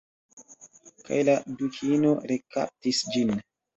Kaj la Dukino rekaptis ĝin.